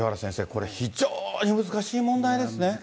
これ、非常に難し難しいですね。